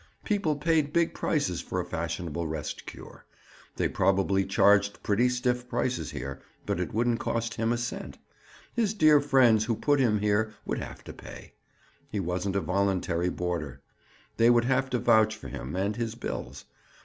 People paid big prices for a fashionable rest cure. They probably charged pretty stiff prices here, but it wouldn't cost him a cent. His dear friends who put him here would have to pay. He wasn't a voluntary boarder. They would have to vouch for him and his bills.